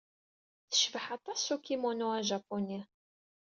Tecbeḥ aṭas s ukimono ajapuni.